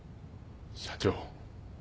社長。